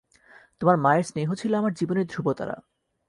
তোমার মায়ের স্নেহ ছিল আমার জীবনের ধ্রুবতারা।